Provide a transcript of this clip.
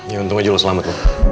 ya untung aja lu selamat